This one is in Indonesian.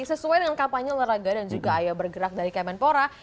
sesuai dengan kampanye olahraga dan juga ayo bergerak dari kemenpora